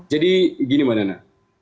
jadi gini mbak nana